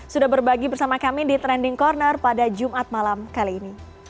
sudah berbagi bersama kami di trending corner pada jumat malam kali ini